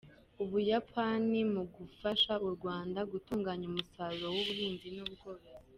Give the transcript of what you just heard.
U Buyapani mu gufasha u Rwanda gutunganya umusaruro w’ubuhinzi n’ubworozi